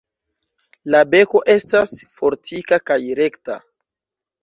La beko estas fortika kaj rekta.